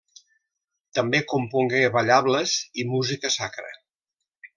També compongué ballables i música sacra.